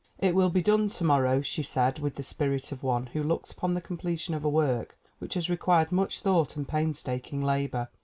"It will be done to morrow/' she said with the spirit of one who looks upon the completion of a work which has required much thought and painstaking labor.